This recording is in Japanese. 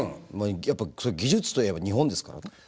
やっぱ技術といえば日本ですからね。